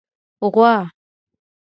🐄 غوا